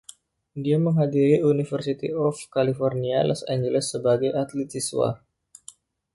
Dia menghadiri University of California, Los Angeles sebagai atlet siswa.